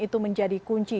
itu menjadi kunci